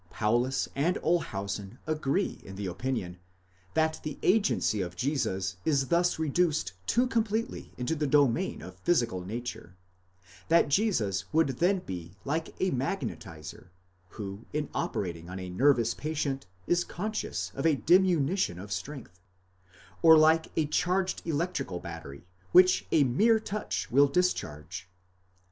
Paulus and Olshausen agree in the opinion,® that the agency of Jesus is thus reduced too completely into the domain of physical nature; that Jesus would then be like a magnetiser who in operating on a nervous patient is conscious of a diminution of strength, or like a charged electrical battery, which a mere touch will discharge.